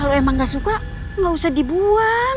kalau emang enggak suka enggak usah dibuang